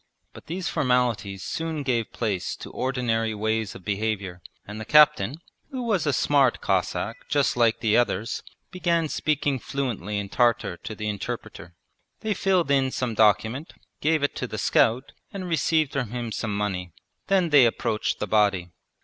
But these formalities soon gave place to ordinary ways of behaviour, and the captain, who was a smart Cossack just like the others, began speaking fluently in Tartar to the interpreter. They filled in some document, gave it to the scout, and received from him some money. Then they approached the body.